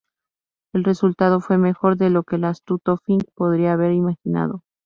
El resultado fue mejor de lo que el astuto Fink podría haber imaginado.